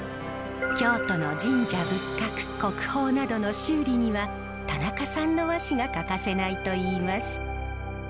京都の神社仏閣国宝などの修理には田中さんの和紙が欠かせないといいます。